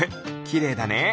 きれいだね！